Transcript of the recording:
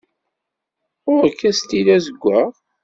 Ɣur-k astilu azeggaɣ?